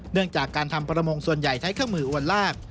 เรื่องจากการทำประมงส่วนใหญ่ใช้เครื่องมืออวนลาก